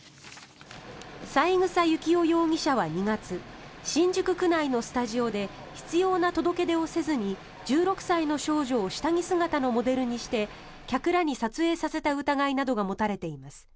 三枝幸男容疑者は２月新宿区内のスタジオで必要な届け出をせずに１６歳の少女を下着姿のモデルにして客らに撮影させた疑いなどが持たれています。